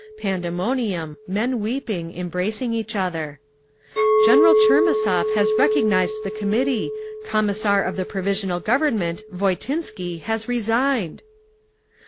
Pandemonium, men weeping, embracing each other. "General Tchermissov has recognised the Committee Commissar of the Provisional Government Voitinsky has resigned!"